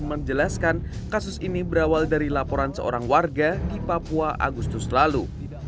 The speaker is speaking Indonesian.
menjelaskan kasus ini berawal dari laporan seorang warga di papua agustus lalu